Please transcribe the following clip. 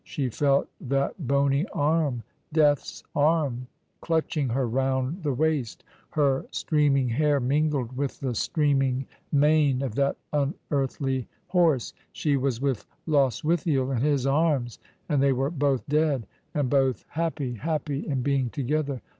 She felt that bony arm — Death's arm — clutching her round the waist. Her streaming hair mingled with the streaming "Dreaming, she Jatexv it was a Dream!' 57 mane of that unearthly horse. She was with Lostwithiel — in his arms — and they were both dead and both happy — happy in being together.